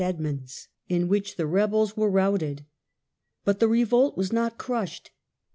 Edmunds, in which the rebels were routed. But the revolt was not crushed.